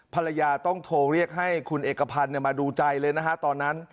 ภรรยาต้องโทรเรียกให้คุณเอกพันธ์มาดูใจเลยนะฮะตอนนั้น